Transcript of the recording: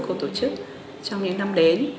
của tổ chức trong những năm đến